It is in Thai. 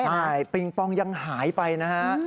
ใช่ปิงปองยังหายไปนะฮะ